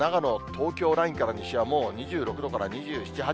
東京ラインから西はもう、２６度から２７、８度。